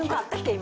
今。